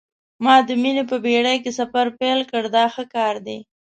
ما د مینې په بېړۍ کې سفر پیل کړ دا ښه کار دی.